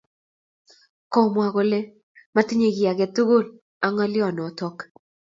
komwa kole matinye kiy agetugul ak ngolyo notok